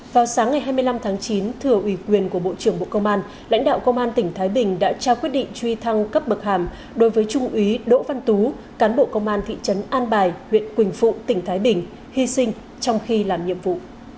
vào sáng ngày hai mươi năm tháng chín thừa ủy quyền của bộ trưởng bộ công an lãnh đạo công an tỉnh thái bình đã trao quyết định truy thăng cấp bậc hàm đối với trung úy đỗ văn tú cán bộ công an thị trấn an bài huyện quỳnh phụ tỉnh thái bình hy sinh trong khi làm nhiệm vụ